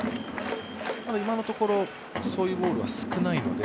今のところ、そういうボールは少ないので。